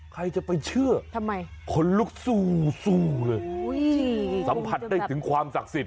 ใครจะไปเชื่อคนลุกซู่เลยสัมผัสได้ถึงความศักดิ์สิทธิ์